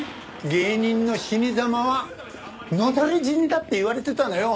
芸人の死にざまは野垂れ死にだっていわれてたのよ。